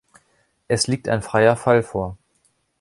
Es liegt ein freier Fall vor.